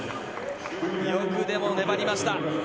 よく粘りました。